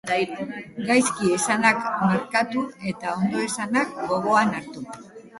Gaizki esanak barkatu, eta ondo esanak gogoan hartu.